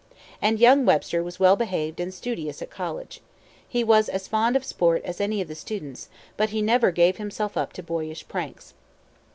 And young Webster was well behaved and studious at college. He was as fond of sport as any of the students, but he never gave himself up to boyish pranks.